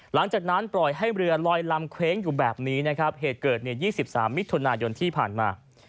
หลังจากนั้นปล่อยให้เรือลอยลำเคว้งอยู่แบบนี้นะครับเหตุเกิดเนี่ย๒๓มิถุนายนที่ผ่านมา